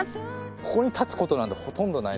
ここに立つ事なんてほとんどない。